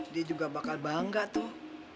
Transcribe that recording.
dia juga bakal bangga tuh